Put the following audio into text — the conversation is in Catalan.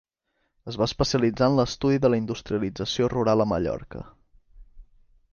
Es va especialitzar en l'estudi de la industrialització rural a Mallorca.